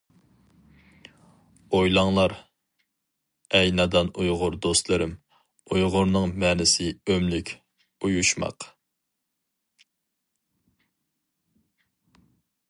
ئويلاڭلار ئەي نادان ئۇيغۇر دوستلىرىم، ئۇيغۇرنىڭ مەنىسى ئۆملۈك ئۇيۇشماق.